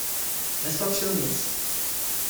Nespatřil nic.